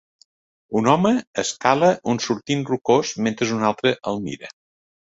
Un home escala un sortint rocós mentre un altre el mira.